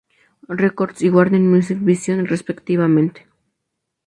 Records y Warner Music Vision, respectivamente.